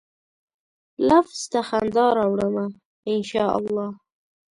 لفظ ته خندا راوړمه ، ان شا الله